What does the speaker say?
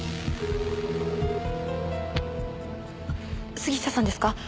杉下さんですか？